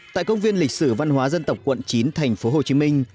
tại công viên lịch sử văn hóa dân tộc quận chín thành phố hồ chí minh